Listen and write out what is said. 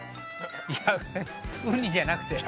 いや、ウニじゃなくて。